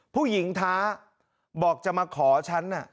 ผู้หญิงท้าบอกจะมาขอฉัน